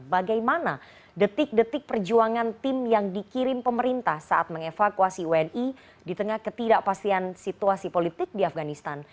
bagaimana detik detik perjuangan tim yang dikirim pemerintah saat mengevakuasi wni di tengah ketidakpastian situasi politik di afganistan